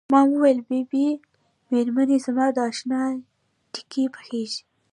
ما وویل بي بي مېرمنې زما د اشنا تیکې پخیږي.